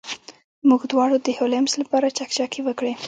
موږ دواړو د هولمز لپاره چکچکې وکړې.